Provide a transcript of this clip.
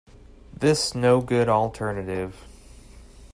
This no good alternative.